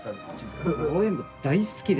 応援部大好きで。